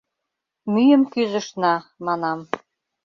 — Мӱйым кӱзышна, манам.